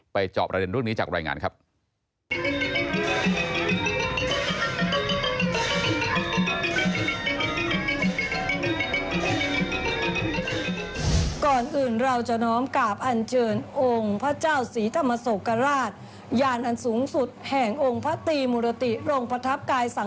ไปจอบรายละเอียดเรื่องนี้จากรายงานครับ